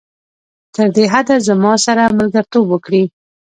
تر دې حده زما سره ملګرتوب وکړي.